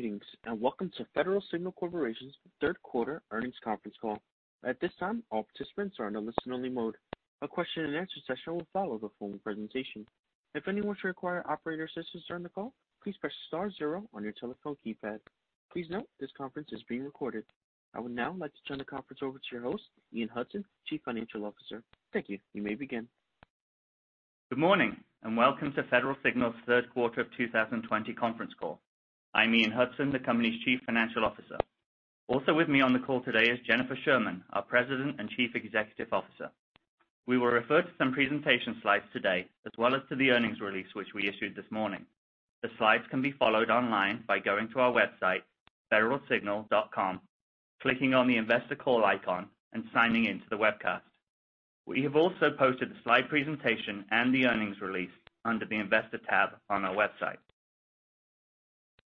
Greetings, and welcome to Federal Signal Corporation's Q3 earnings conference call. At this time, all participants are in a listen only mode. A question and answer session will follow the formal presentation. If anyone should require operator assistance during the call, please press star zero on your telephone keypad. Please note this conference is being recorded. I would now like to turn the conference over to your host, Ian Hudson, Chief Financial Officer. Thank you. You may begin. Good morning, and welcome to Federal Signal's Q3 of 2020 conference call. I'm Ian Hudson, the company's Chief Financial Officer. Also with me on the call today is Jennifer Sherman, our President and Chief Executive Officer. We will refer to some presentation slides today as well as to the earnings release, which we issued this morning. The slides can be followed online by going to our website, federalsignal.com, clicking on the investor call icon, and signing in to the webcast. We have also posted the slide presentation and the earnings release under the investor tab on our website.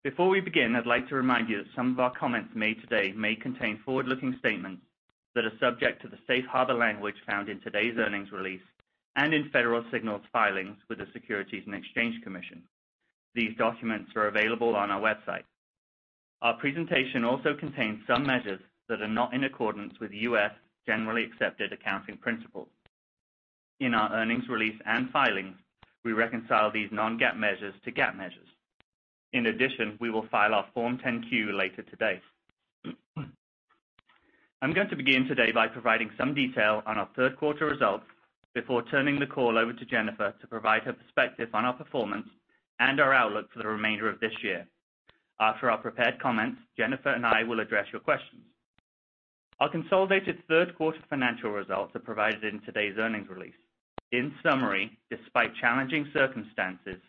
Before we begin, I'd like to remind you that some of our comments made today may contain forward-looking statements that are subject to the safe harbor language found in today's earnings release and in Federal Signal's filings with the Securities and Exchange Commission. These documents are available on our website. Our presentation also contains some measures that are not in accordance with U.S. generally accepted accounting principles. In our earnings release and filings, we reconcile these non-GAAP measures to GAAP measures. In addition, we will file our Form 10-Q later today. I'm going to begin today by providing some detail on our Q3 results before turning the call over to Jennifer to provide her perspective on our performance and our outlook for the remainder of this year. After our prepared comments, Jennifer and I will address your questions. Our consolidated Q3 financial results are provided in today's earnings release. In summary, despite challenging circumstances,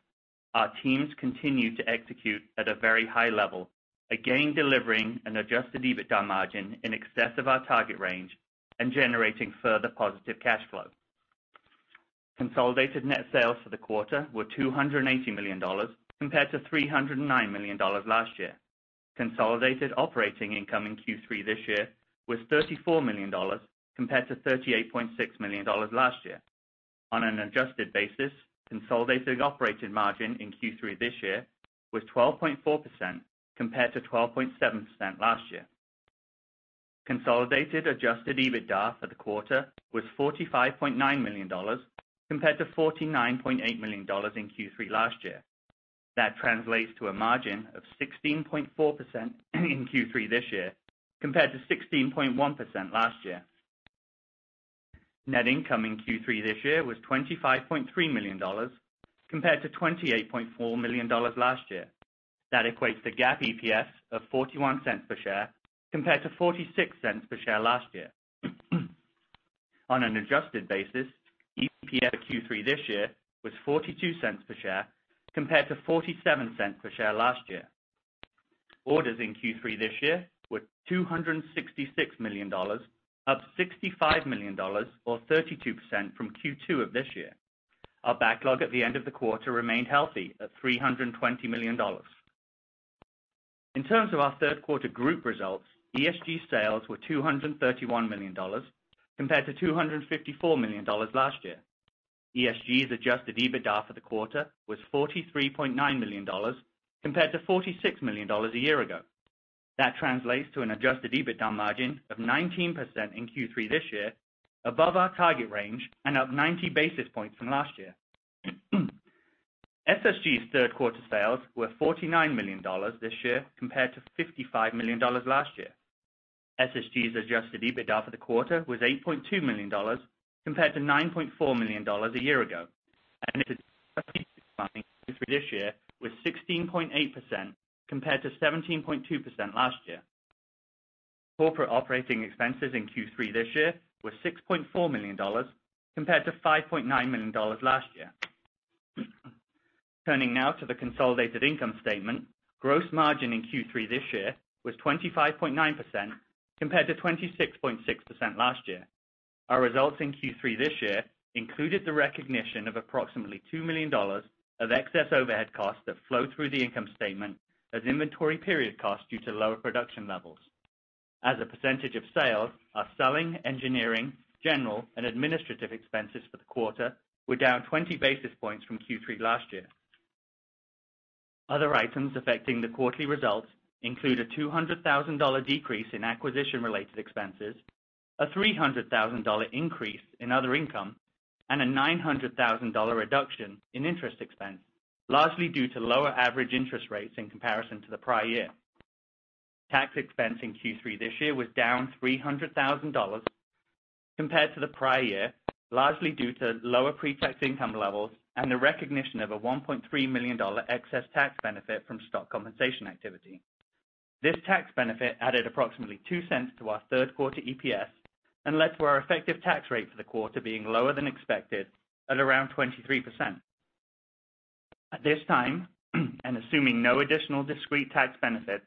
our teams continued to execute at a very high level, again delivering an adjusted EBITDA margin in excess of our target range and generating further positive cash flow. Consolidated net sales for the quarter were $280 million compared to $309 million last year. Consolidated operating income in Q3 this year was $34 million compared to $38.6 million last year. On an adjusted basis, consolidated operating margin in Q3 this year was 12.4, compared to 12.7% last year. Consolidated adjusted EBITDA for the quarter was $45.9 million compared to $49.8 million in Q3 last year. That translates to a margin of 16.4% in Q3 this year, compared to 16.1% last year. Net income in Q3 this year was $25.3 million compared to $28.4 million last year. That equates to GAAP EPS of $0.41 per share compared to $0.46 per share last year. On an adjusted basis, EPS Q3 this year was $0.42 per share compared to $0.47 per share last year. Orders in Q3 this year were $266 million, up $65 million or 32% from Q2 of this year. Our backlog at the end of the quarter remained healthy at $320 million. In terms of our Q3 group results, ESG sales were $231 million compared to $254 million last year. ESG's adjusted EBITDA for the quarter was $43.9 million compared to $46 million a year ago. That translates to an adjusted EBITDA margin of 19% in Q3 this year, above our target range and up 90 basis points from last year. SSG's third quarter sales were $49 million this year compared to $55 million last year. SSG's adjusted EBITDA for the quarter was $8.2 million compared to $9.4 million a year ago. It this year was 16.8% compared to 17.2% last year. Corporate operating expenses in Q3 this year were $6.4 million compared to $5.9 million last year. Turning now to the consolidated income statement. Gross margin in Q3 this year was 25.9% compared to 26.6% last year. Our results in Q3 this year included the recognition of approximately $2 million of excess overhead costs that flow through the income statement as inventory period costs due to lower production levels. As a percentage of sales, our selling, engineering, general, and administrative expenses for the quarter were down 20 basis points from Q3 last year. Other items affecting the quarterly results include a $200,000 decrease in acquisition related expenses, a $300,000 increase in other income, and a $900,000 reduction in interest expense, largely due to lower average interest rates in comparison to the prior year. Tax expense in Q3 this year was down $300,000 compared to the prior year, largely due to lower pre-tax income levels and the recognition of a $1.3 million excess tax benefit from stock compensation activity. This tax benefit added approximately $0.02 to our Q3 EPS and led to our effective tax rate for the quarter being lower than expected at around 23%. At this time and assuming no additional discrete tax benefits,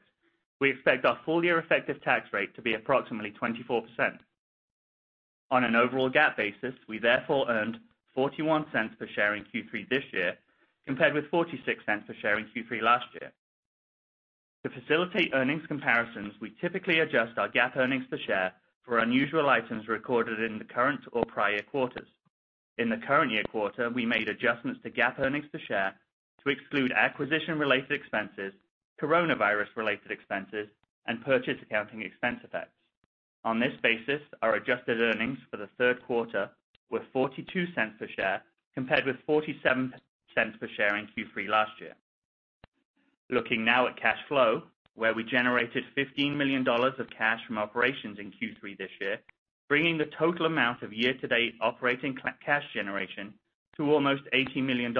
we expect our full year effective tax rate to be approximately 24%. On an overall GAAP basis, we therefore earned $0.41 per share in Q3 this year, compared with $0.46 per share in Q3 last year. To facilitate earnings comparisons, we typically adjust our GAAP earnings per share for unusual items recorded in the current or prior quarters. In the current year quarter, we made adjustments to GAAP earnings per share to exclude acquisition-related expenses, coronavirus-related expenses, and purchase accounting expense effects. On this basis, our adjusted earnings for the Q3 were $0.42 per share, compared with $0.47 per share in Q3 last year. Looking now at cash flow, where we generated $15 million of cash from operations in Q3 this year, bringing the total amount of year-to-date operating cash generation to almost $80 million.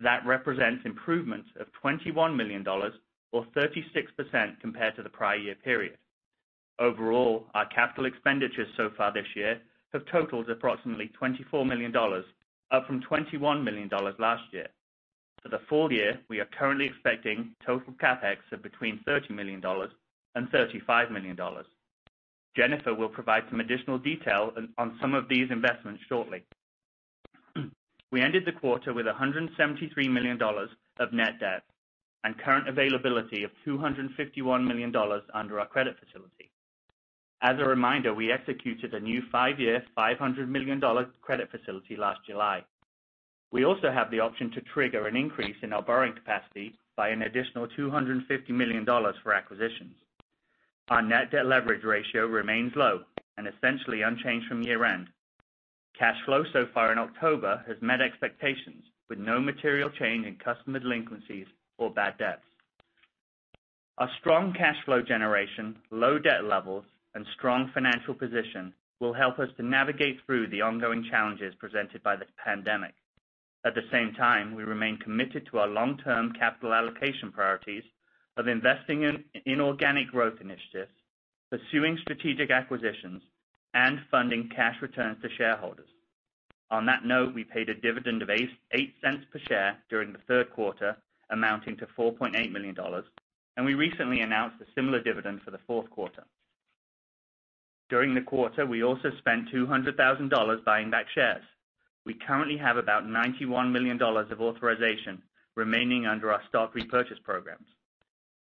That represents improvements of $21 million or 36% compared to the prior year period. Overall, our capital expenditures so far this year have totaled approximately $24 million, up from $21 million last year. For the full year, we are currently expecting total CapEx of between $30 million-$35 million. Jennifer will provide some additional detail on some of these investments shortly. We ended the quarter with $173 million of net debt and current availability of $251 million under our credit facility. As a reminder, we executed a new five year, $500 million credit facility last July. We also have the option to trigger an increase in our borrowing capacity by an additional $250 million for acquisitions. Our net debt leverage ratio remains low and essentially unchanged from year-end. Cash flow so far in October has met expectations, with no material change in customer delinquencies or bad debts. Our strong cash flow generation, low debt levels, and strong financial position will help us to navigate through the ongoing challenges presented by this pandemic. At the same time, we remain committed to our long-term capital allocation priorities of investing in organic growth initiatives, pursuing strategic acquisitions, and funding cash returns to shareholders. On that note, we paid a dividend of $0.08 per share during the Q3, amounting to $4.8 million, and we recently announced a similar dividend for the Q4. During the quarter, we also spent $200,000 buying back shares. We currently have about $91 million of authorization remaining under our stock repurchase programs.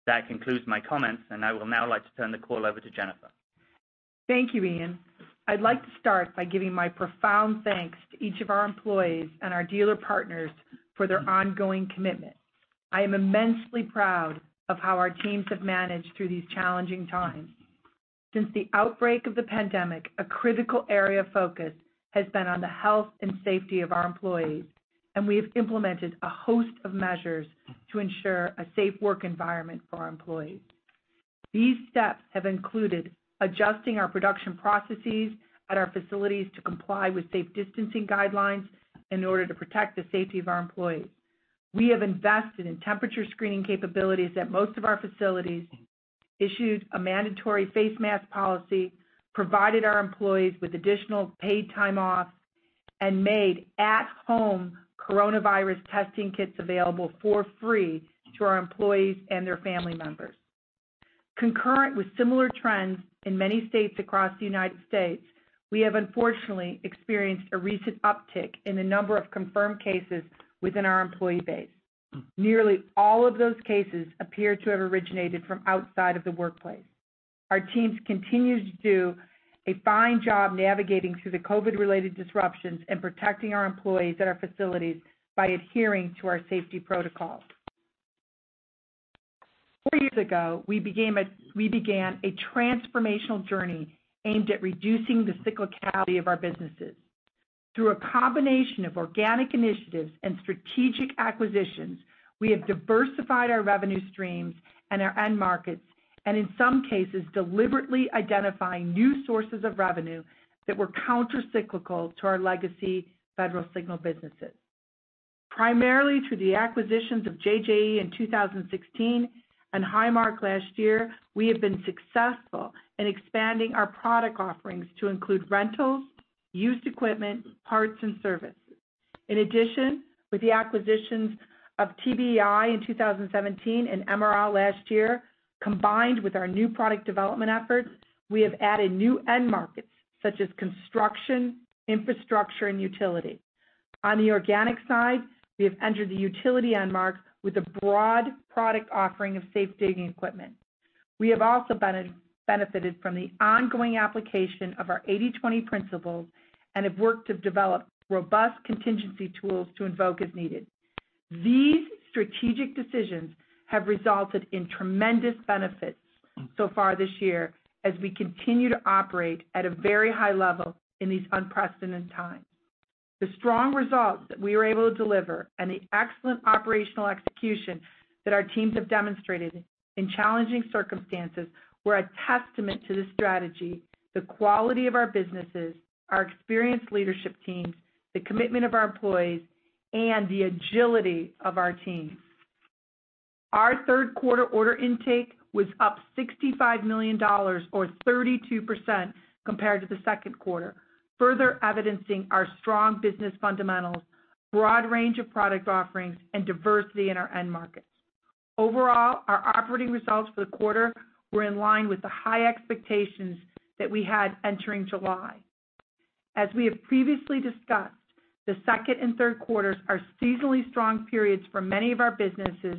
That concludes my comments, and I will now like to turn the call over to Jennifer. Thank you, Ian. I'd like to start by giving my profound thanks to each of our employees and our dealer partners for their ongoing commitment. I am immensely proud of how our teams have managed through these challenging times. Since the outbreak of the pandemic, a critical area of focus has been on the health and safety of our employees, and we have implemented a host of measures to ensure a safe work environment for our employees. These steps have included adjusting our production processes at our facilities to comply with safe distancing guidelines in order to protect the safety of our employees. We have invested in temperature screening capabilities at most of our facilities, issued a mandatory face mask policy, provided our employees with additional paid time off, and made at-home coronavirus testing kits available for free to our employees and their family members. Concurrent with similar trends in many states across the United States, we have unfortunately experienced a recent uptick in the number of confirmed cases within our employee base. Nearly all of those cases appear to have originated from outside of the workplace. Our teams continue to do a fine job navigating through the COVID-related disruptions and protecting our employees at our facilities by adhering to our safety protocols. Four years ago, we began a transformational journey aimed at reducing the cyclicality of our businesses. Through a combination of organic initiatives and strategic acquisitions, we have diversified our revenue streams and our end markets, and in some cases, deliberately identifying new sources of revenue that were countercyclical to our legacy Federal Signal businesses. Primarily through the acquisitions of JJE in 2016 and highmark last year, we have been successful in expanding our product offerings to include rentals, used equipment, parts, and services. In addition, with the acquisitions of TBEI in 2017 and MRL last year, combined with our new product development efforts, we have added new end markets such as construction, infrastructure, and utility. On the organic side, we have entered the utility end market with a broad product offering of safe digging equipment. We have also benefited from the ongoing application of our 80/20 principles and have worked to develop robust contingency tools to invoke as needed. These strategic decisions have resulted in tremendous benefits so far this year as we continue to operate at a very high level in these unprecedented times. The strong results that we were able to deliver and the excellent operational execution that our teams have demonstrated in challenging circumstances were a testament to the strategy, the quality of our businesses, our experienced leadership teams, the commitment of our employees, and the agility of our teams. Our Q3 order intake was up $65 million or 32% compared to the Q2, further evidencing our strong business fundamentals, broad range of product offerings, and diversity in our end markets. Overall, our operating results for the quarter were in line with the high expectations that we had entering July. As we have previously discussed, the Q2 and Q3 are seasonally strong periods for many of our businesses,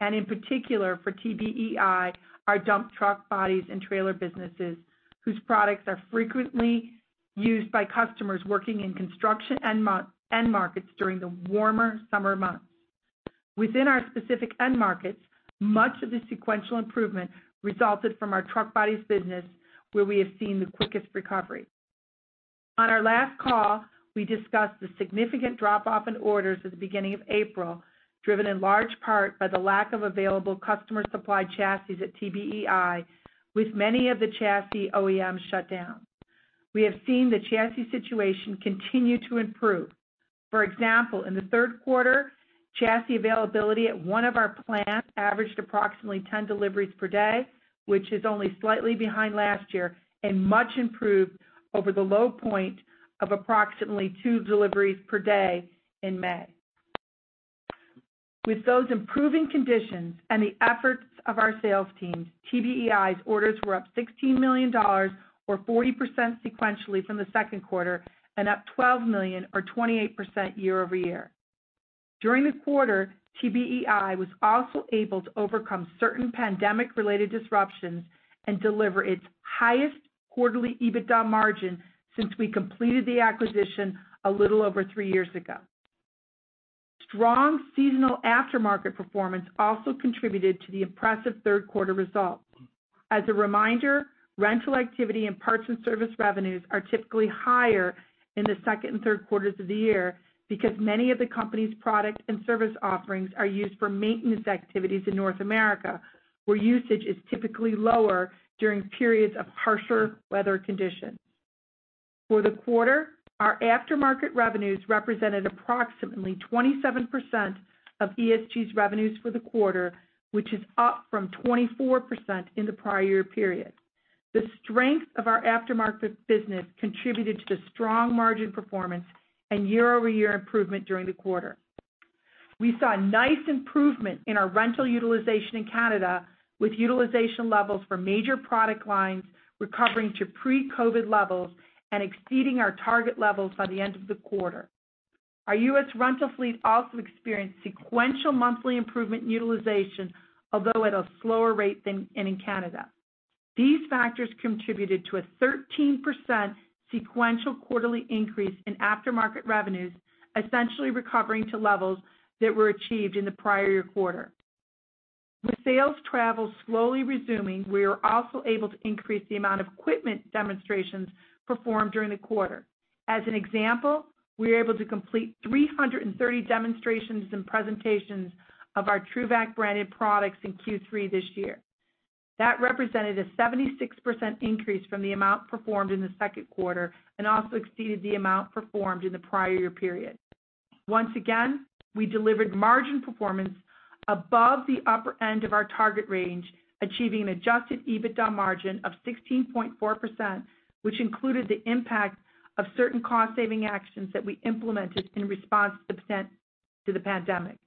and in particular for TBEI, our dump truck bodies and trailer businesses, whose products are frequently used by customers working in construction end markets during the warmer summer months. Within our specific end markets, much of the sequential improvement resulted from our truck bodies business, where we have seen the quickest recovery. On our last call, we discussed the significant drop-off in orders at the beginning of April, driven in large part by the lack of available customer supply chassis at TBEI, with many of the chassis OEMs shut down. We have seen the chassis situation continue to improve. For example, in the Q3, chassis availability at one of our plants averaged approximately 10 deliveries per day, which is only slightly behind last year and much improved over the low point of approximately two deliveries per day in May. With those improving conditions and the efforts of our sales teams, TBEI's orders were up $16 million, or 40% sequentially from the Q2, and up $12 million or 28% year-over-year. During the quarter, TBEI was also able to overcome certain pandemic related disruptions and deliver its highest quarterly EBITDA margin since we completed the acquisition a little over three years ago. Strong seasonal aftermarket performance also contributed to the impressive Q3 results. As a reminder, rental activity and parts and service revenues are typically higher in the Q2 and Q3 of the year because many of the company's product and service offerings are used for maintenance activities in North America, where usage is typically lower during periods of harsher weather conditions. For the quarter, our aftermarket revenues represented approximately 27% of SSG's revenues for the quarter, which is up from 24% in the prior year period. The strength of our aftermarket business contributed to the strong margin performance and year-over-year improvement during the quarter. We saw a nice improvement in our rental utilization in Canada, with utilization levels for major product lines recovering to pre-COVID levels and exceeding our target levels by the end of the quarter. Our U.S. rental fleet also experienced sequential monthly improvement in utilization, although at a slower rate than in Canada. These factors contributed to a 13% sequential quarterly increase in aftermarket revenues, essentially recovering to levels that were achieved in the prior year quarter. With sales travel slowly resuming, we were also able to increase the amount of equipment demonstrations performed during the quarter. As an example, we were able to complete 330 demonstrations and presentations of our TRUVAC branded products in Q3 this year. That represented a 76% increase from the amount performed in the Q2 and also exceeded the amount performed in the prior year period. Once again, we delivered margin performance above the upper end of our target range, achieving an adjusted EBITDA margin of 16.4%, which included the impact of certain cost saving actions that we implemented in response to the pandemic.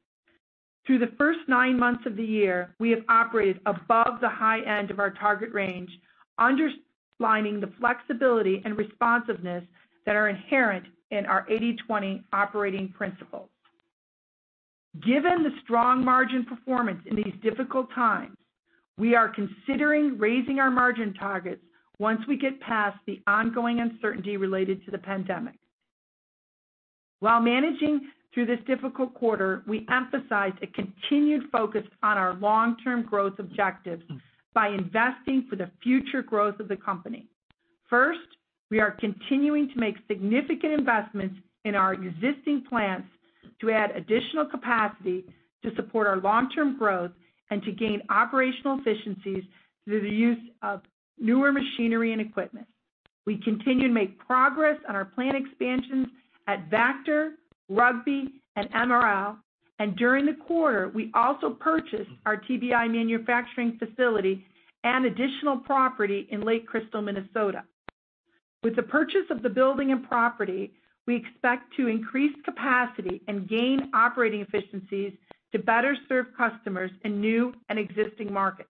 Through the first nine months of the year, we have operated above the high end of our target range, underlining the flexibility and responsiveness that are inherent in our 80/20 operating principles. Given the strong margin performance in these difficult times, we are considering raising our margin targets once we get past the ongoing uncertainty related to the pandemic. While managing through this difficult quarter, we emphasized a continued focus on our long term growth objectives by investing for the future growth of the company. First, we are continuing to make significant investments in our existing plants to add additional capacity to support our long term growth and to gain operational efficiencies through the use of newer machinery and equipment. We continue to make progress on our plant expansions at Vactor, Rugby and MRL, and during the quarter, we also purchased our TBEI manufacturing facility and additional property in Lake Crystal, Minnesota. With the purchase of the building and property, we expect to increase capacity and gain operating efficiencies to better serve customers in new and existing markets.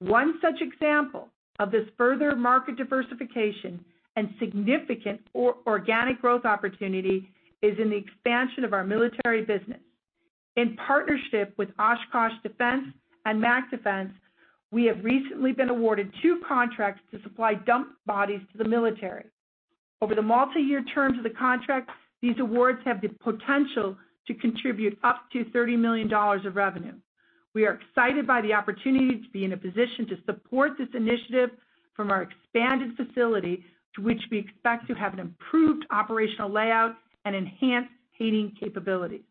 One such example of this further market diversification and significant organic growth opportunity is in the expansion of our military business. In partnership with Oshkosh Defense and Mack Defense, we have recently been awarded two contracts to supply dump bodies to the military. Over the multi-year terms of the contract, these awards have the potential to contribute up to $30 million of revenue. We are excited by the opportunity to be in a position to support this initiative from our expanded facility, to which we expect to have an improved operational layout and enhanced painting capability.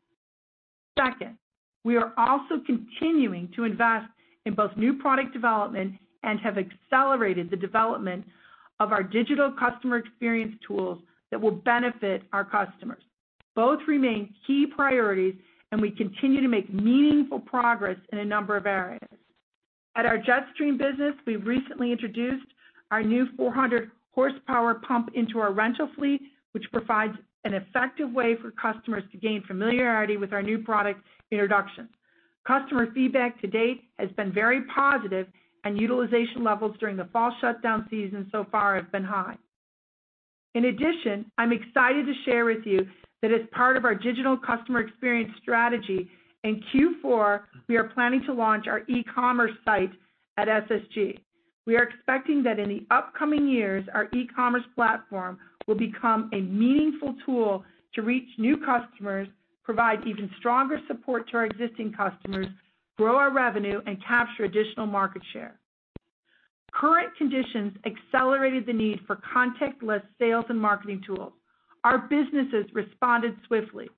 We are also continuing to invest in both new product development and have accelerated the development of our digital customer experience tools that will benefit our customers. Both remain key priorities, and we continue to make meaningful progress in a number of areas. At our Jetstream business, we recently introduced our new 400 horsepower pump into our rental fleet, which provides an effective way for customers to gain familiarity with our new product introduction. Customer feedback to date has been very positive, and utilization levels during the fall shutdown season so far have been high. In addition, I'm excited to share with you that as part of our digital customer experience strategy, in Q4, we are planning to launch our e-commerce site at SSG. We are expecting that in the upcoming years, our e-commerce platform will become a meaningful tool to reach new customers, provide even stronger support to our existing customers, grow our revenue, and capture additional market share. Current conditions accelerated the need for contactless sales and marketing tools. Our businesses responded swiftly.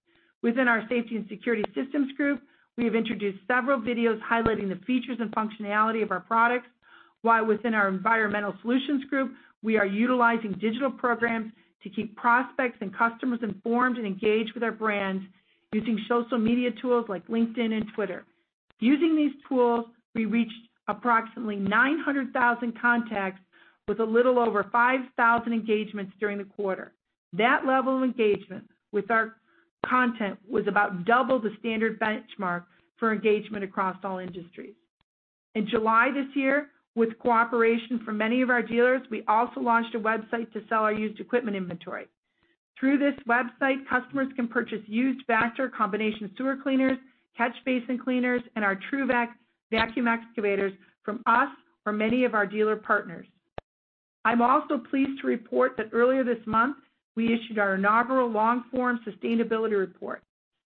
Within our safety and security systems group, we have introduced several videos highlighting the features and functionality of our products, while within our environmental solutions group, we are utilizing digital programs to keep prospects and customers informed and engaged with our brands using social media tools like LinkedIn and Twitter. Using these tools, we reached approximately 900,000 contacts with a little over 5,000 engagements during the quarter. That level of engagement with our content was about double the standard benchmark for engagement across all industries. In July this year, with cooperation from many of our dealers, we also launched a website to sell our used equipment inventory. Through this website, customers can purchase used Vactor combination sewer cleaners, catch basin cleaners, and our TRUVAC vacuum excavators from us or many of our dealer partners. I'm also pleased to report that earlier this month, we issued our inaugural long-form sustainability report.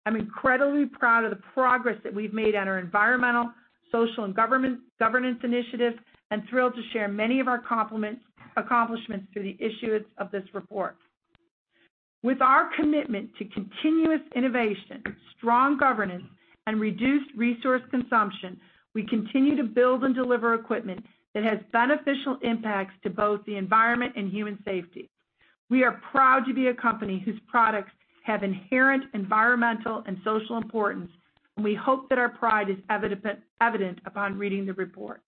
I'm incredibly proud of the progress that we've made on our environmental, social, and governance initiatives, and thrilled to share many of our accomplishments through the issuance of this report. With our commitment to continuous innovation, strong governance, and reduced resource consumption, we continue to build and deliver equipment that has beneficial impacts to both the environment and human safety. We are proud to be a company whose products have inherent environmental and social importance, and we hope that our pride is evident upon reading the report.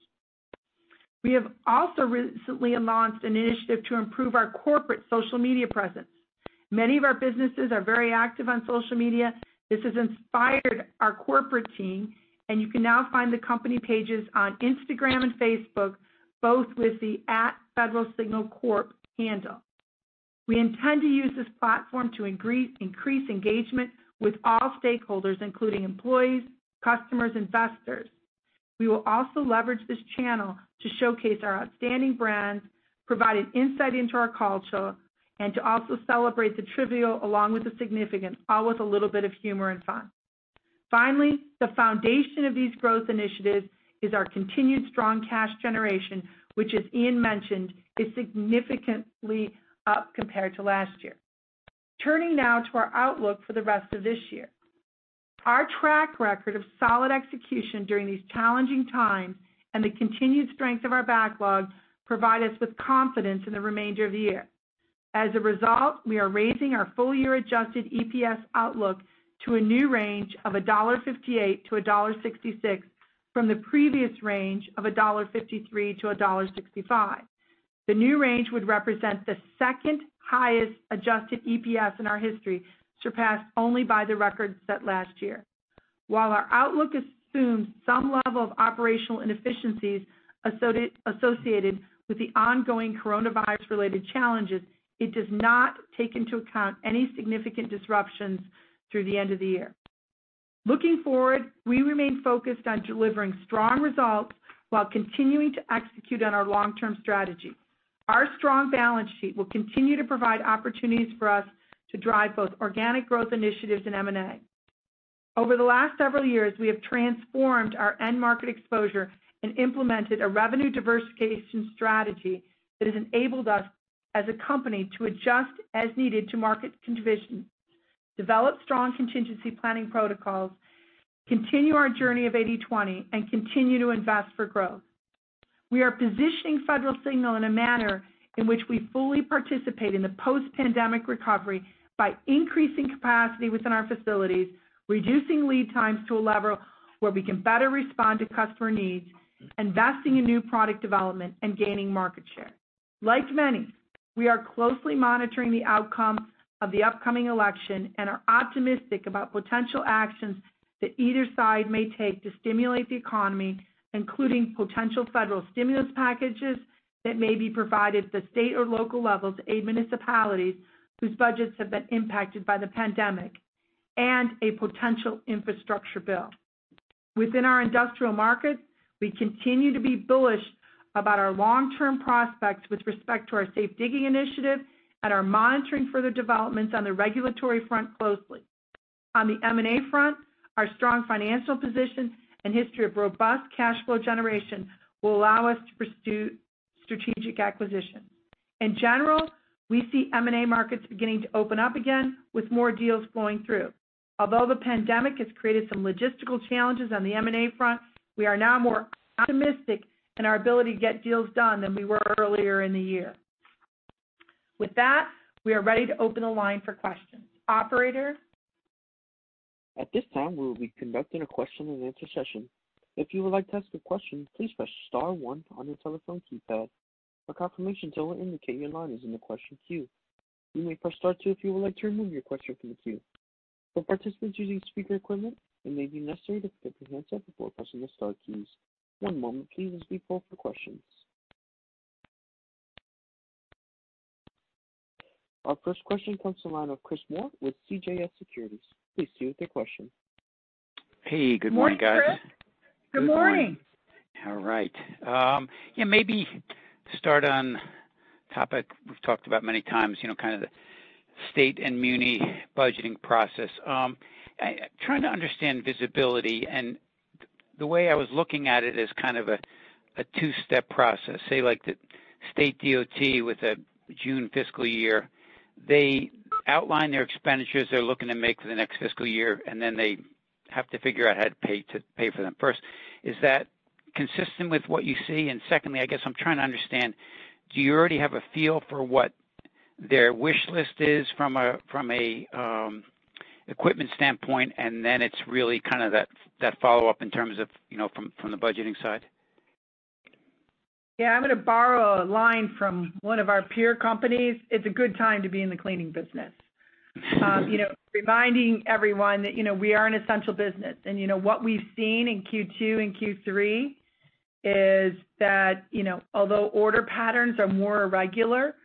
We have also recently announced an initiative to improve our corporate social media presence. Many of our businesses are very active on social media. This has inspired our corporate team, and you can now find the company pages on Instagram and Facebook, both with the @federalsignalcorp handle. We intend to use this platform to increase engagement with all stakeholders, including employees, customers, investors. We will also leverage this channel to showcase our outstanding brands, provide an insight into our culture, and to also celebrate the trivial along with the significant, all with a little bit of humor and fun. Finally, the foundation of these growth initiatives is our continued strong cash generation, which, as Ian mentioned, is significantly up compared to last year. Turning now to our outlook for the rest of this year. Our track record of solid execution during these challenging times and the continued strength of our backlog provide us with confidence in the remainder of the year. As a result, we are raising our full-year adjusted EPS outlook to a new range of $1.58-$1.66, from the previous range of $1.53-$1.65. The new range would represent the second-highest adjusted EPS in our history, surpassed only by the record set last year. While our outlook assumes some level of operational inefficiencies associated with the ongoing coronavirus-related challenges, it does not take into account any significant disruptions through the end of the year. Looking forward, we remain focused on delivering strong results while continuing to execute on our long-term strategy. Our strong balance sheet will continue to provide opportunities for us to drive both organic growth initiatives and M&A. Over the last several years, we have transformed our end market exposure and implemented a revenue diversification strategy that has enabled us, as a company, to adjust as needed to market conditions, develop strong contingency planning protocols, continue our journey of 80/20, and continue to invest for growth. We are positioning Federal Signal in a manner in which we fully participate in the post-pandemic recovery by increasing capacity within our facilities, reducing lead times to a level where we can better respond to customer needs, investing in new product development, and gaining market share. Like many, we are closely monitoring the outcome of the upcoming election and are optimistic about potential actions that either side may take to stimulate the economy, including potential federal stimulus packages that may be provided to state or local levels, aid municipalities whose budgets have been impacted by the pandemic, and a potential infrastructure bill. Within our industrial markets, we continue to be bullish about our long-term prospects with respect to our safe digging initiative and are monitoring further developments on the regulatory front closely. On the M&A front, our strong financial position and history of robust cash flow generation will allow us to pursue strategic acquisitions. In general, we see M&A markets beginning to open up again, with more deals flowing through. Although the pandemic has created some logistical challenges on the M&A front, we are now more optimistic in our ability to get deals done than we were earlier in the year. With that, we are ready to open the line for questions. Operator? Our first question comes to the line of Chris Moore with CJS Securities. Please proceed with your question. Hey, good morning, guys. Morning, Chris. Good morning. All right. Maybe to start on topic we've talked about many times, kind of the state and muni budgeting process. Trying to understand visibility, and the way I was looking at it as kind of a two-step process, say like the state DOT with a June fiscal year. They outline their expenditures they're looking to make for the next fiscal year, and then they have to figure out how to pay for them first. Is that consistent with what you see? Secondly, I guess I'm trying to understand, do you already have a feel for what their wish list is from a equipment standpoint, and then it's really kind of that follow-up in terms of from the budgeting side? Yeah, I'm going to borrow a line from one of our peer companies. It's a good time to be in the cleaning business. Reminding everyone that we are an essential business. What we've seen in Q2 and Q3 is that although order patterns are more irregular,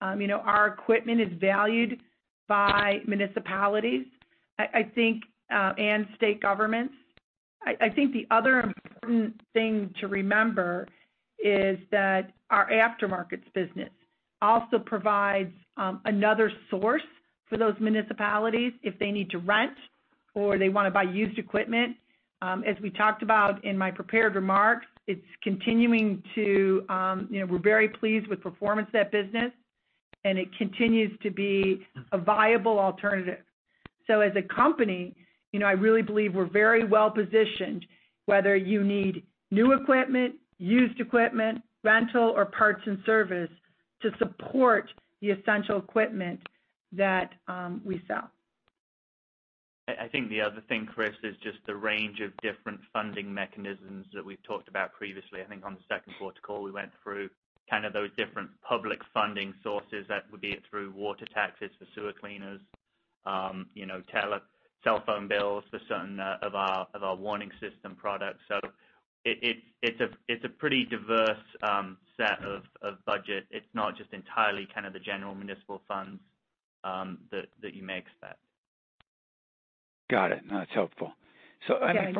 our equipment is valued by municipalities, I think, and state governments. I think the other important thing to remember is that our aftermarkets business also provides another source for those municipalities if they need to rent or they want to buy used equipment. As we talked about in my prepared remarks, we're very pleased with performance of that business, and it continues to be a viable alternative. As a company, I really believe we're very well-positioned, whether you need new equipment, used equipment, rental, or parts and service to support the essential equipment that we sell. I think the other thing, Chris, is just the range of different funding mechanisms that we've talked about previously. I think on the Q2 call, we went through kind of those different public funding sources, that would be it through water taxes for sewer cleaners, cellphone bills for certain of our warning system products. So it's a pretty diverse set of budget. It's not just entirely kind of the general municipal funds that you may expect. Got it. No, that's helpful. Yeah.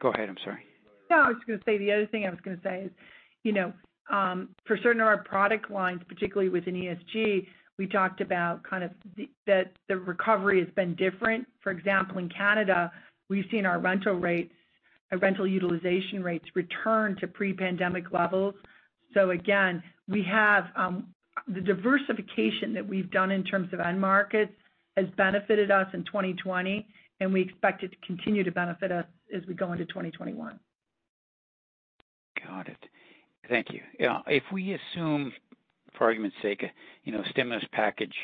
Go ahead, I'm sorry. No, I was going to say, the other thing I was going to say is, for certain of our product lines, particularly within ESG, we talked about kind of that the recovery has been different. For example, in Canada, we've seen our rental utilization rates return to pre-pandemic levels. Again, the diversification that we've done in terms of end markets has benefited us in 2020, and we expect it to continue to benefit us as we go into 2021. Got it. Thank you. If we assume, for argument's sake, a stimulus package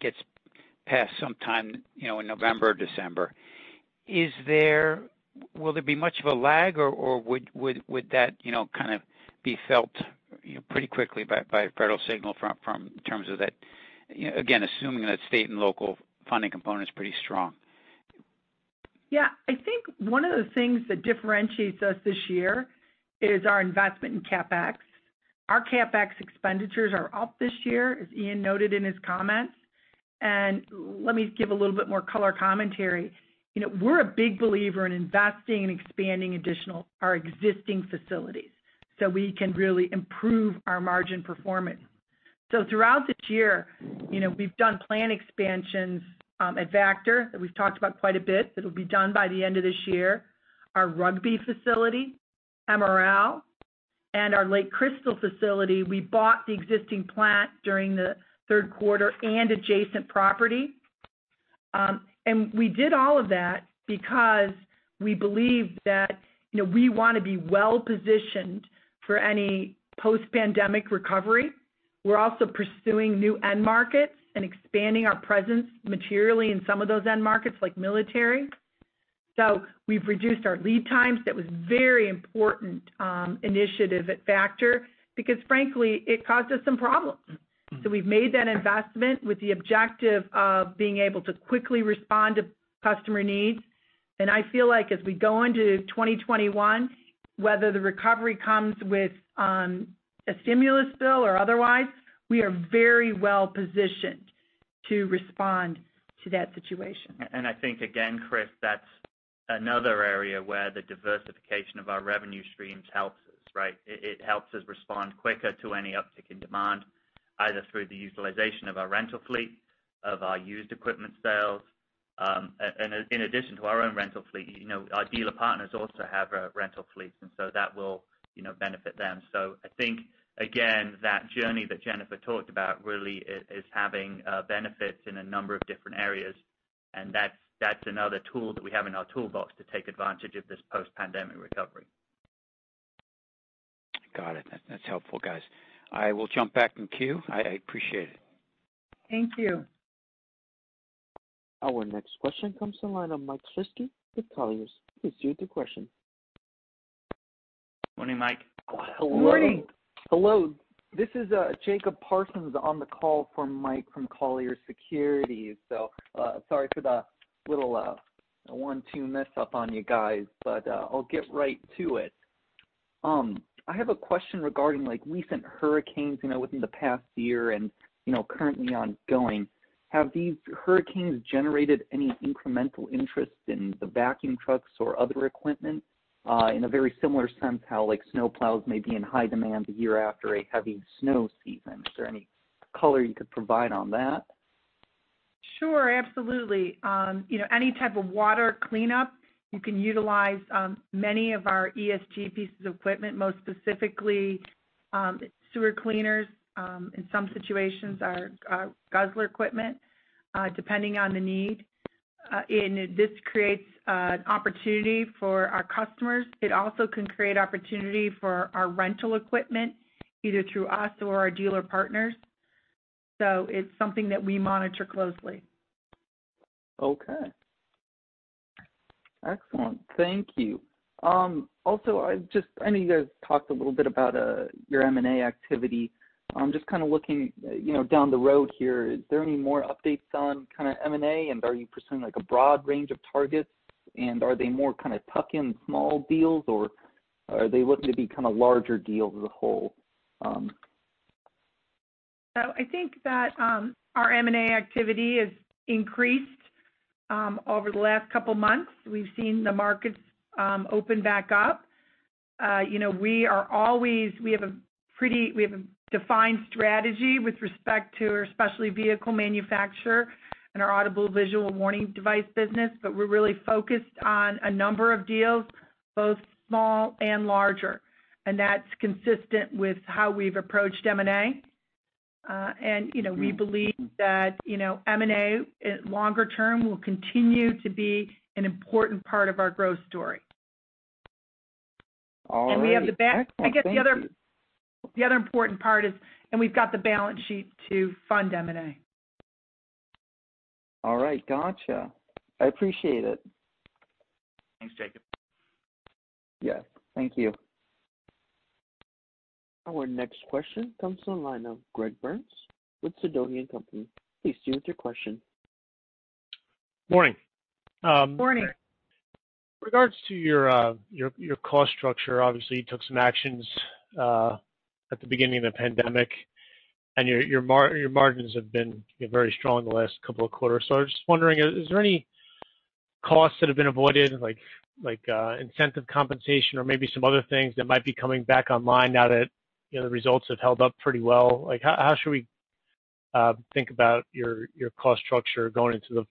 gets passed sometime in November or December, will there be much of a lag or would that kind of be felt pretty quickly by Federal Signal in terms of that, again, assuming that state and local funding component's pretty strong? Yeah. I think one of the things that differentiates us this year is our investment in CapEx. Our CapEx expenditures are up this year, as Ian noted in his comments. Let me give a little bit more color commentary. We're a big believer in investing and expanding our existing facilities so we can really improve our margin performance. Throughout this year, we've done plant expansions at Vactor that we've talked about quite a bit, that'll be done by the end of this year. Our Rugby facility, MRL, and our Lake Crystal facility, we bought the existing plant during the Q3 and adjacent property. We did all of that because we believe that we want to be well-positioned for any post-pandemic recovery. We're also pursuing new end markets and expanding our presence materially in some of those end markets like military. We've reduced our lead times. That was very important initiative at Vactor because frankly, it caused us some problems. We've made that investment with the objective of being able to quickly respond to customer needs. I feel like as we go into 2021, whether the recovery comes with a stimulus bill or otherwise, we are very well-positioned to respond to that situation. I think, again, Chris, that's another area where the diversification of our revenue streams helps us, right? It helps us respond quicker to any uptick in demand, either through the utilization of our rental fleet, of our used equipment sales. In addition to our own rental fleet, our dealer partners also have rental fleets, and so that will benefit them. I think, again, that journey that Jennifer talked about really is having benefits in a number of different areas, and that's another tool that we have in our toolbox to take advantage of this post-pandemic recovery. Got it. That's helpful, guys. I will jump back in queue. I appreciate it. Thank you. Our next question comes to the line of Mike Shlisky with Colliers. Please proceed with your question. Morning, Mike. Hello. Morning. Hello. This is Jacob Parsons on the call for Mike from Colliers Securities. Sorry for the little one, two mess up on you guys, but I'll get right to it. I have a question regarding recent hurricanes, within the past year and currently ongoing. Have these hurricanes generated any incremental interest in the vacuum trucks or other equipment, in a very similar sense how snow plows may be in high demand the year after a heavy snow season? Is there any color you could provide on that? Sure, absolutely. Any type of water cleanup, you can utilize many of our ESG pieces of equipment, most specifically, sewer cleaners, in some situations, our Guzzler equipment, depending on the need. This creates an opportunity for our customers. It also can create opportunity for our rental equipment, either through us or our dealer partners. It's something that we monitor closely. Okay. Excellent. Thank you. I know you guys talked a little bit about your M&A activity. Just kind of looking down the road here, is there any more updates on M&A, and are you pursuing a broad range of targets? Are they more tuck-in small deals, or are they looking to be larger deals as a whole? I think that our M&A activity has increased over the last couple of months. We've seen the markets open back up. We have a defined strategy with respect to our specialty vehicle manufacturer and our audible visual warning device business, but we're really focused on a number of deals, both small and larger, and that's consistent with how we've approached M&A. We believe that M&A, longer term, will continue to be an important part of our growth story. All right. Excellent. Thank you. I guess the other important part is, and we've got the balance sheet to fund M&A. All right. Gotcha. I appreciate it. Thanks, Jacob. Yeah. Thank you. Our next question comes from the line of Greg Burns with Sidoti & Company. Please proceed with your question. Morning. Morning. With regards to your cost structure, obviously, you took some actions at the beginning of the pandemic, and your margins have been very strong the last couple of quarters. I was just wondering, is there any costs that have been avoided, like incentive compensation or maybe some other things that might be coming back online now that the results have held up pretty well? How should we think about your cost structure going into the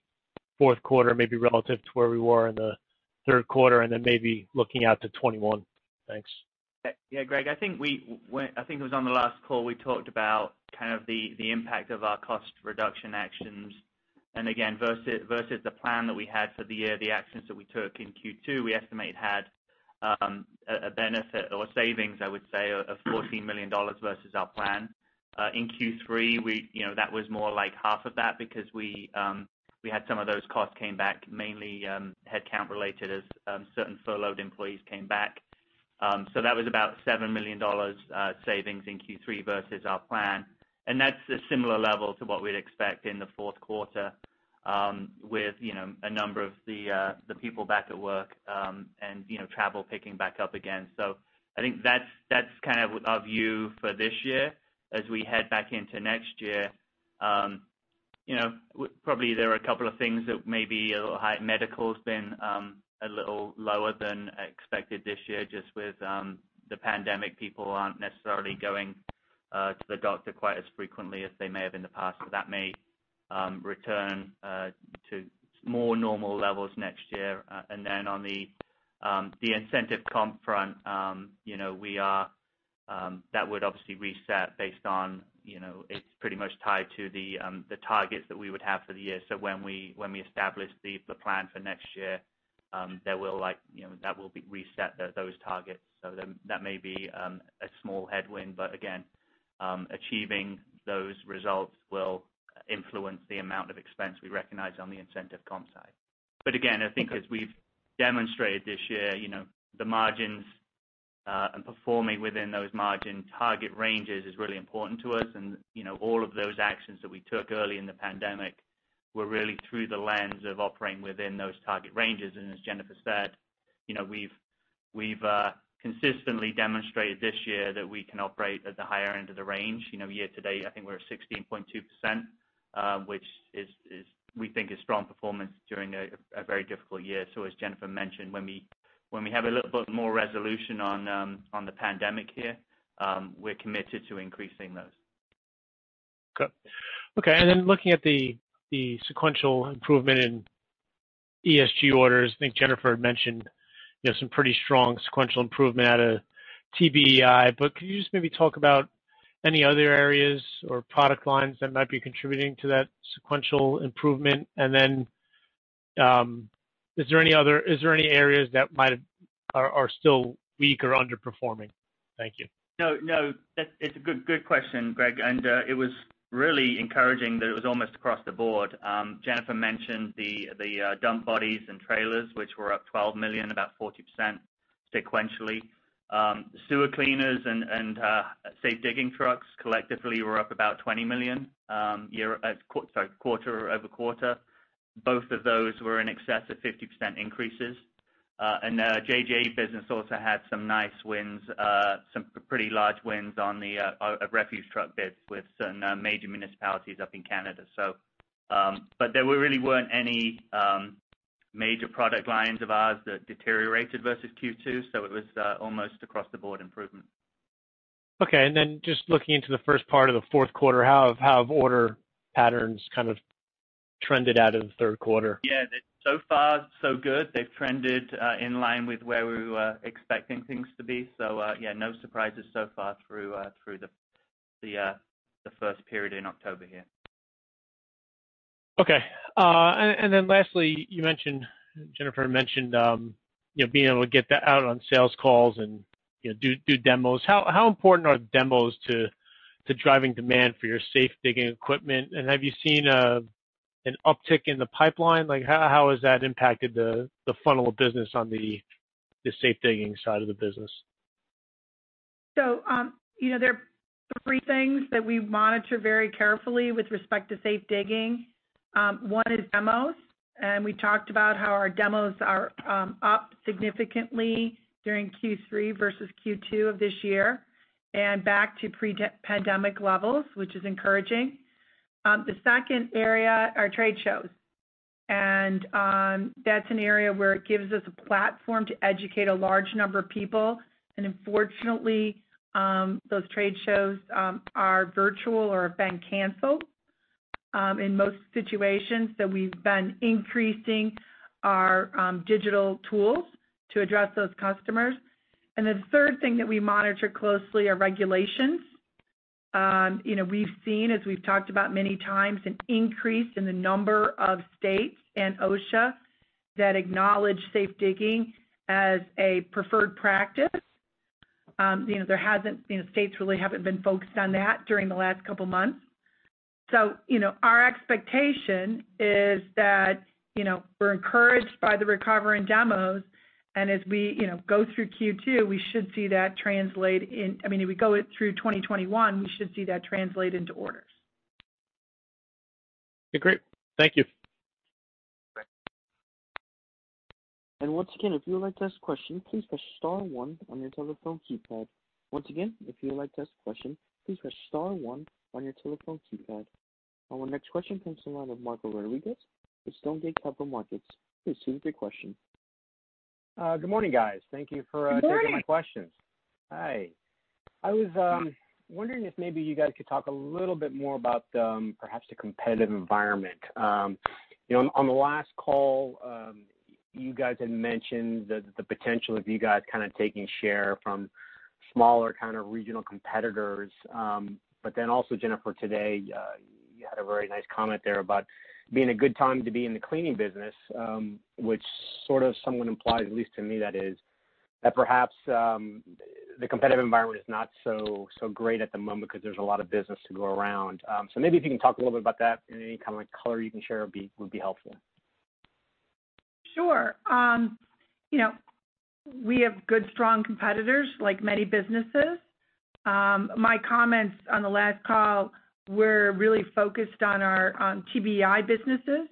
Q4, maybe relative to where we were in the Q3, and then maybe looking out to 2021? Thanks. Yeah, Greg. I think it was on the last call, we talked about the impact of our cost reduction actions. Again, versus the plan that we had for the year, the actions that we took in Q2, we estimate had a benefit or savings, I would say, of $14 million versus our plan. In Q3, that was more like half of that because we had some of those costs came back, mainly headcount related as certain furloughed employees came back. That was about $7 million savings in Q3 versus our plan. That's a similar level to what we'd expect in the Q4 with a number of the people back at work and travel picking back up again. I think that's our view for this year. As we head back into next year, probably there are a couple of things that may be a little high. Medical's been a little lower than expected this year just with the pandemic. People aren't necessarily going to the doctor quite as frequently as they may have in the past. That may return to more normal levels next year. On the incentive comp front, that would obviously reset. It's pretty much tied to the targets that we would have for the year. When we establish the plan for next year, that will reset those targets. That may be a small headwind. Again, achieving those results will influence the amount of expense we recognize on the incentive comp side. Again, I think as we've demonstrated this year, the margins and performing within those margin target ranges is really important to us. All of those actions that we took early in the pandemic were really through the lens of operating within those target ranges. As Jennifer said, we've consistently demonstrated this year that we can operate at the higher end of the range. Year to date, I think we're at 16.2%, which we think is strong performance during a very difficult year. As Jennifer mentioned, when we have a little bit more resolution on the pandemic here, we're committed to increasing those. Okay. Looking at the sequential improvement in ESG orders, I think Jennifer had mentioned some pretty strong sequential improvement out of TBEI. Could you just maybe talk about any other areas or product lines that might be contributing to that sequential improvement? Is there any areas that are still weak or underperforming? Thank you. It's a good question, Greg. It was really encouraging that it was almost across the board. Jennifer mentioned the dump bodies and trailers, which were up $12 million, about 40% sequentially. Sewer cleaners and safe digging trucks collectively were up about $20 million quarter-over-quarter. Both of those were in excess of 50% increases. The JJ business also had some nice wins, some pretty large wins on the refuse truck bids with certain major municipalities up in Canada. There really weren't any major product lines of ours that deteriorated versus Q2. It was almost across the board improvement. Okay, just looking into the first part of the Q4, how have order patterns kind of trended out of the Q3? Yeah, so far so good. They've trended in line with where we were expecting things to be. Yeah, no surprises so far through the first period in October here. Okay. Lastly, Jennifer mentioned being able to get out on sales calls and do demos. How important are demos to driving demand for your safe digging equipment? Have you seen an uptick in the pipeline? How has that impacted the funnel of business on the safe digging side of the business? There are three things that we monitor very carefully with respect to safe digging. One is demos, and we talked about how our demos are up significantly during Q3 versus Q2 of this year, and back to pre-pandemic levels, which is encouraging. The second area are trade shows, and that's an area where it gives us a platform to educate a large number of people. Unfortunately, those trade shows are virtual or have been canceled in most situations, so we've been increasing our digital tools to address those customers. The third thing that we monitor closely are regulations. We've seen, as we've talked about many times, an increase in the number of states and OSHA that acknowledge safe digging as a preferred practice. States really haven't been focused on that during the last couple of months. Our expectation is that we're encouraged by the recovery in demos, and as we go through Q2, we should see that translate, I mean, as we go through 2021, we should see that translate into orders. Okay, great. Thank you. Great. Once again, if you would like to ask a question, please press star one on your telephone keypad. Once again, if you would like to ask a question, please press star one on your telephone keypad. Our next question comes from the line of Mark Rodriguez with Stonegate Capital Markets. Please proceed with your question. Good morning, guys. Thank you for- Good morning. taking my questions. Hi. I was wondering if maybe you guys could talk a little bit more about perhaps the competitive environment. On the last call, you guys had mentioned the potential of you guys kind of taking share from smaller kind of regional competitors. Also, Jennifer, today, you had a very nice comment there about it being a good time to be in the cleaning business, which sort of somewhat implies, at least to me, that is, that perhaps the competitive environment is not so great at the moment because there's a lot of business to go around. Maybe if you can talk a little bit about that and any kind of color you can share would be helpful. Sure. We have good, strong competitors, like many businesses. My comments on the last call were really focused on our TBEI businesses,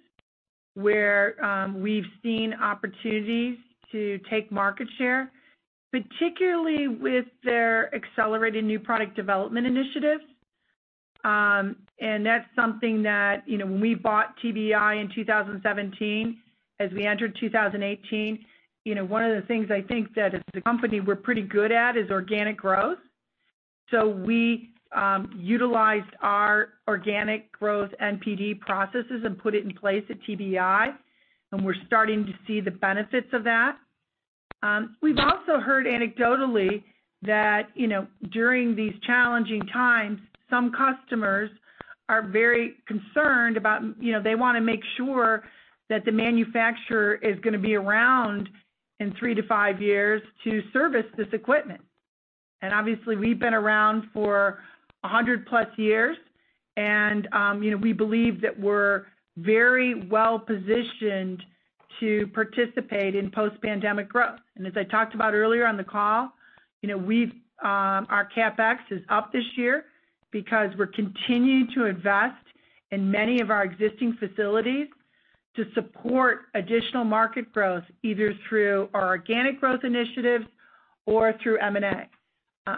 where we've seen opportunities to take market share, particularly with their accelerated new product development initiatives. That's something that, when we bought TBEI in 2017, as we entered 2018, one of the things I think that as a company we're pretty good at is organic growth. We utilized our organic growth NPD processes and put it in place at TBEI, and we're starting to see the benefits of that. We've also heard anecdotally that during these challenging times, some customers are very concerned that they want to make sure that the manufacturer is going to be around in three to five years to service this equipment. Obviously, we've been around for 100-plus years, and we believe that we're very well-positioned to participate in post-pandemic growth. As I talked about earlier on the call, our CapEx is up this year because we're continuing to invest in many of our existing facilities to support additional market growth, either through our organic growth initiatives or through M&A.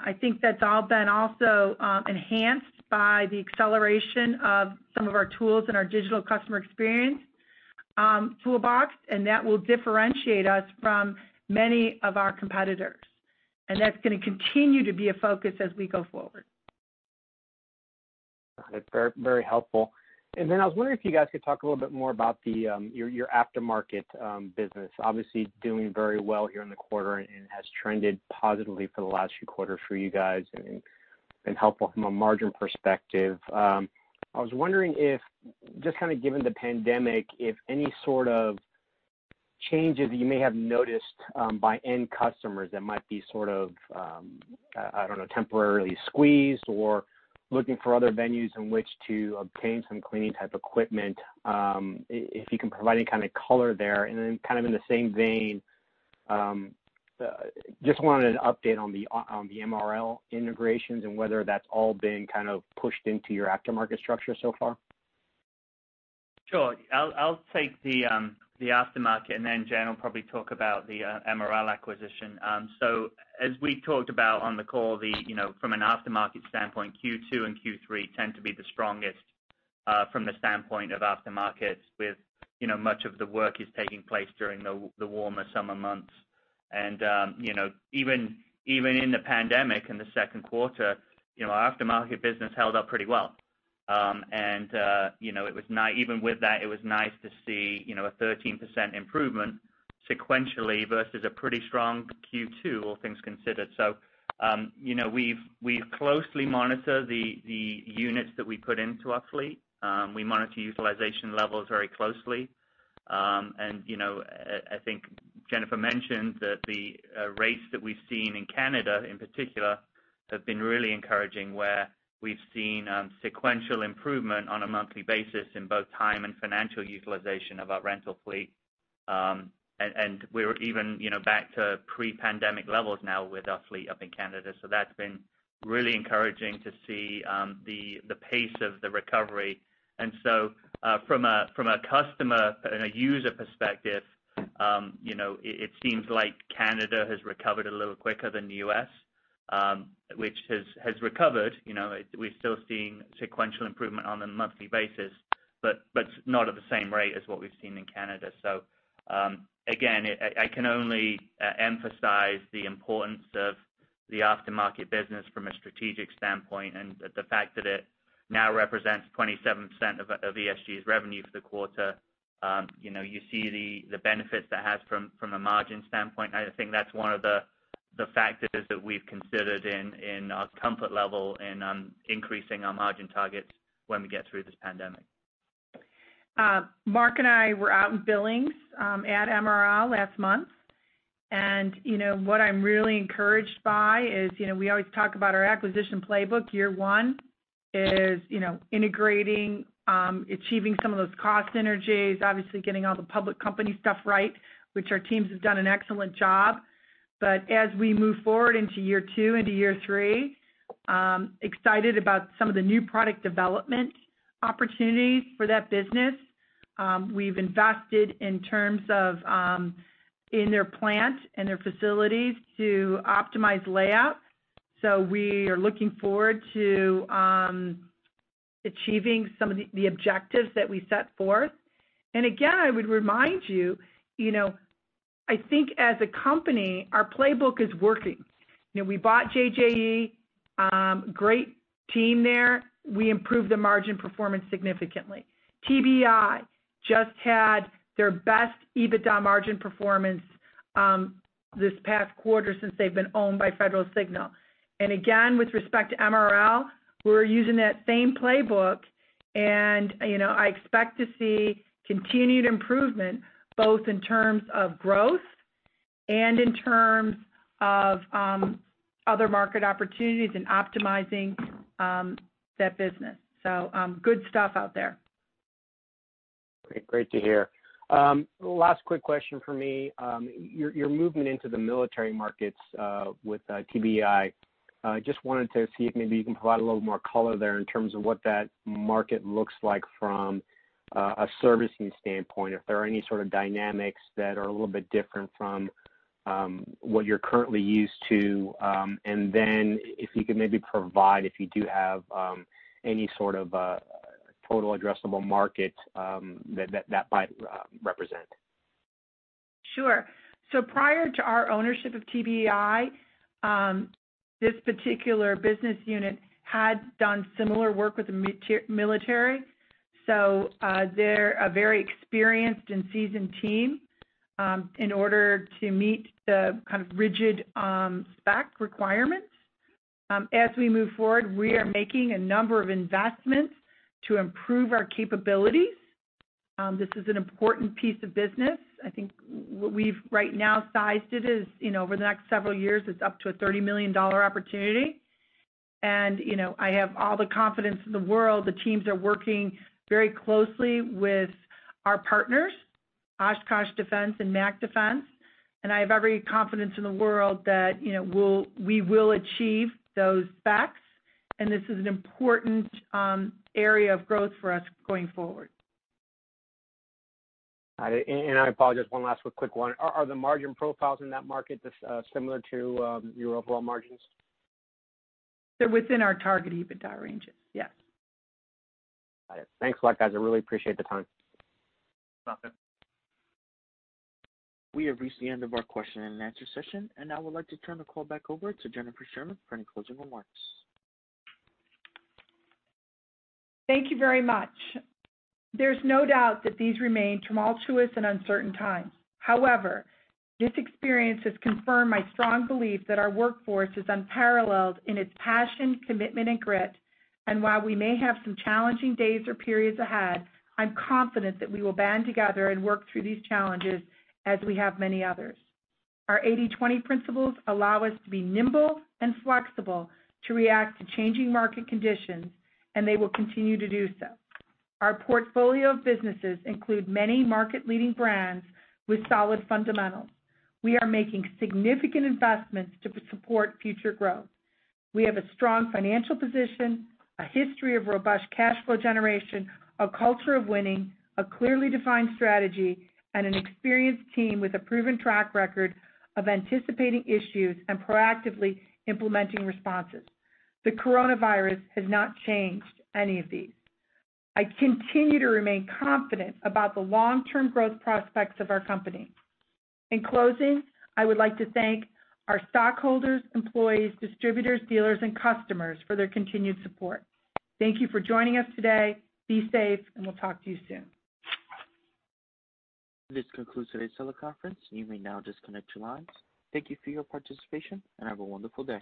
I think that's all been also enhanced by the acceleration of some of our tools in our digital customer experience toolbox, and that will differentiate us from many of our competitors. That's going to continue to be a focus as we go forward. That's very helpful. I was wondering if you guys could talk a little bit more about your aftermarket business. Obviously, doing very well here in the quarter and has trended positively for the last few quarters for you guys and been helpful from a margin perspective. I was wondering if, just kind of given the pandemic, if any sort of changes that you may have noticed by end customers that might be, I don't know, temporarily squeezed or looking for other venues in which to obtain some cleaning type equipment. If you can provide any kind of color there. Kind of in the same vein, just wanted an update on the MRL integrations and whether that's all been kind of pushed into your aftermarket structure so far. Sure. I'll take the aftermarket, then Jen will probably talk about the MRL acquisition. As we talked about on the call, from an aftermarket standpoint, Q2 and Q3 tend to be the strongest from the standpoint of aftermarkets with much of the work is taking place during the warmer summer months. Even in the pandemic in the Q2, our aftermarket business held up pretty well. Even with that, it was nice to see a 13% improvement sequentially versus a pretty strong Q2, all things considered. We closely monitor the units that we put into our fleet. We monitor utilization levels very closely. I think Jennifer mentioned that the rates that we've seen in Canada in particular have been really encouraging, where we've seen sequential improvement on a monthly basis in both time and financial utilization of our rental fleet. We're even back to pre-pandemic levels now with our fleet up in Canada. That's been really encouraging to see the pace of the recovery. From a customer and a user perspective, it seems like Canada has recovered a little quicker than the U.S., which has recovered. We're still seeing sequential improvement on a monthly basis, but not at the same rate as what we've seen in Canada. Again, I can only emphasize the importance of the aftermarket business from a strategic standpoint and the fact that it now represents 27% of ESG's revenue for the quarter. You see the benefits that has from a margin standpoint. I think that's one of the factors that we've considered in our comfort level in increasing our margin targets when we get through this pandemic. Marco and I were out in Billings at MRL last month. What I'm really encouraged by is, we always talk about our acquisition playbook. Year one is integrating, achieving some of those cost synergies, obviously getting all the public company stuff right, which our teams have done an excellent job. As we move forward into year two, into year three, excited about some of the new product development opportunities for that business. We've invested in terms of in their plant and their facilities to optimize layout. We are looking forward to achieving some of the objectives that we set forth. Again, I would remind you, I think as a company, our playbook is working. We bought JJE, great team there. We improved the margin performance significantly. TBEI just had their best EBITDA margin performance this past quarter since they've been owned by Federal Signal. Again, with respect to MRL, we're using that same playbook, and I expect to see continued improvement, both in terms of growth and in terms of other market opportunities and optimizing that business. Good stuff out there. Great to hear. Last quick question from me. Your movement into the military markets with TBEI, just wanted to see if maybe you can provide a little more color there in terms of what that market looks like from a servicing standpoint, if there are any sort of dynamics that are a little bit different from what you're currently used to. If you could maybe provide, if you do have any sort of total addressable market that might represent. Sure. Prior to our ownership of TBEI, this particular business unit had done similar work with the military. They're a very experienced and seasoned team in order to meet the kind of rigid spec requirements. As we move forward, we are making a number of investments to improve our capabilities. This is an important piece of business. I think what we've right now sized it is over the next several years, it's up to a $30 million opportunity. I have all the confidence in the world. The teams are working very closely with our partners, Oshkosh Defense and Mack Defense, and I have every confidence in the world that we will achieve those specs, and this is an important area of growth for us going forward. I apologize, one last quick one. Are the margin profiles in that market similar to your overall margins? They're within our target EBITDA ranges, yes. Got it. Thanks a lot, guys. I really appreciate the time. Nothing. We have reached the end of our question and answer session, and I would like to turn the call back over to Jennifer Sherman for any closing remarks. Thank you very much. There's no doubt that these remain tumultuous and uncertain times. However, this experience has confirmed my strong belief that our workforce is unparalleled in its passion, commitment, and grit. While we may have some challenging days or periods ahead, I'm confident that we will band together and work through these challenges as we have many others. Our 80/20 principles allow us to be nimble and flexible to react to changing market conditions, and they will continue to do so. Our portfolio of businesses include many market-leading brands with solid fundamentals. We are making significant investments to support future growth. We have a strong financial position, a history of robust cash flow generation, a culture of winning, a clearly defined strategy, and an experienced team with a proven track record of anticipating issues and proactively implementing responses. The coronavirus has not changed any of these. I continue to remain confident about the long-term growth prospects of our company. In closing, I would like to thank our stockholders, employees, distributors, dealers, and customers for their continued support. Thank you for joining us today, be safe, and we'll talk to you soon. This concludes today's teleconference. You may now disconnect your lines. Thank you for your participation, and have a wonderful day.